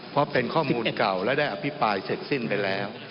เพราะเป็นข้อมูลเก่าและได้อภิปรายเสร็จสิ้นไปแล้ว